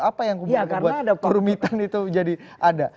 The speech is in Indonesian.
apa yang kemudian membuat kerumitan itu jadi ada